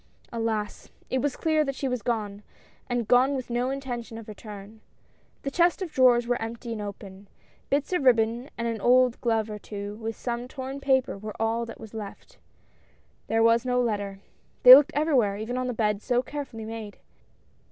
Alas ! it was clear that she was gone, and gone with no intention of return. The chest of drawers were empty and open. Bits of ribbon and an old glove or two, with some torn paper were all that was left. There was no letter. They looked everywhere, even on the bed so carefully made.